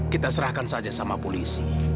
kita serahkan saja sama polisi